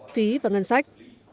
phí và ngân sách